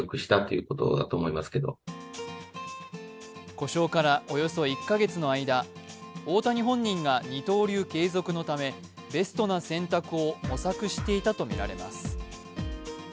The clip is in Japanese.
故障からおよそ１か月の間太谷本人が二刀流継続のためベストな選択を模索していたとみられます。